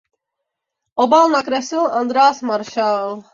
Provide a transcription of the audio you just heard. Obal nakreslil Andreas Marshall.